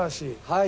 はい。